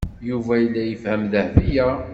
Yuba yella yefhem Dahbiya.